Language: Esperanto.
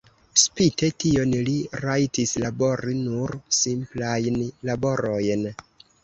Spite tion li rajtis labori nur simplajn laborojn.